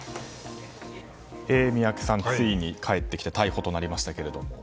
宮家さん、ついに帰ってきて逮捕となりましたけども。